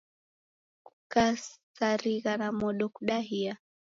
Kukasarigha na modo kudahia